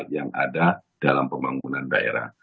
yang ada dalam pembangunan daerah